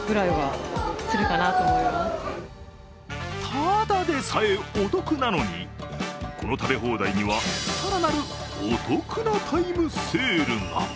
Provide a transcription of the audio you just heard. ただでさえお得なのにこの食べ放題には更なるお得なタイムセールが。